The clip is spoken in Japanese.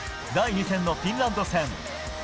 第２戦のフィンランド戦。